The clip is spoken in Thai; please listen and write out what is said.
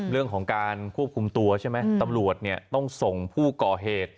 เรื่องของการควบคุมตัวใช่ไหมตำรวจเนี่ยต้องส่งผู้ก่อเหตุ